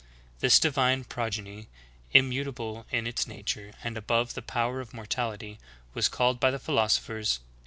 This divine progeny, im mutable in its nature, and above the power of mortality, was called, by the philosophers.